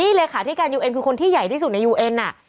นี่เลขาธิการยูเอ็นคือคนที่ใหญ่ที่สุดในยูเอ็น